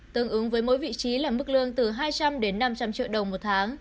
tương ứng với mỗi vị trí là mức lương từ hai trăm linh đến năm trăm linh triệu đồng một tháng